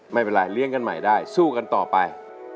ไม่เป็นไรเลี้ยงกันใหม่ได้สู้กันต่อไป